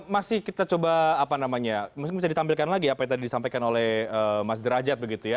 masih kita coba apa namanya mungkin bisa ditampilkan lagi apa yang tadi disampaikan oleh mas derajat begitu ya